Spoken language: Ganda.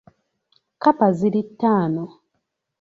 Kkapa ziri ttaano .